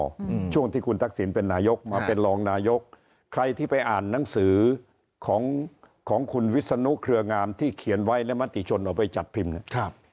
อืมช่วงที่คุณทักษิณเป็นนายกมาเป็นรองนายกใครที่ไปอ่านหนังสือของของคุณวิศนุเครืองามที่เขียนไว้และมติชนเอาไปจัดพิมพ์เนี่ยครับ